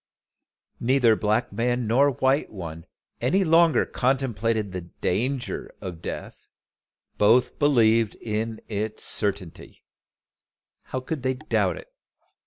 Neither black man nor white one any longer contemplated the danger of death: both believed in its certainty. How could they doubt it?